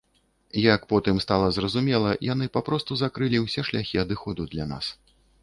Як потым стала зразумела, яны папросту закрылі ўсе шляхі адыходу для нас.